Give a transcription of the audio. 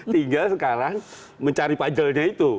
tinggal sekarang mencari pajelenya itu